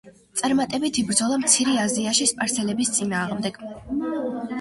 წარმატებით იბრძოდა მცირე აზიაში სპარსელების წინააღმდეგ.